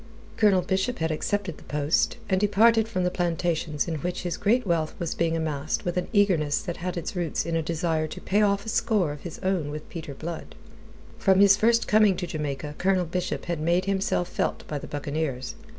Colonel Bishop had accepted the post, and departed from the plantations in which his great wealth was being amassed with an eagerness that had its roots in a desire to pay off a score of his own with Peter Blood. From his first coming to Jamaica, Colonel Bishop had made himself felt by the buccaneers.